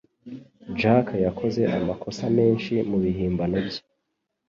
Jack yakoze amakosa menshi mubihimbano bye.